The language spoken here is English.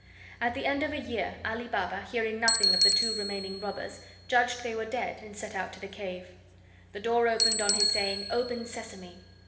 At the end of a year Ali Baba, hearing nothing of the two remaining robbers, judged they were dead, and set out to the cave. The door opened on his saying: "Open Sesame!"